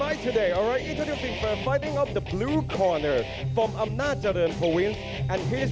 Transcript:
อย่างน้อยทุมประกาศนเคนนั้น